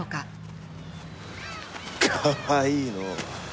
かわいいのう。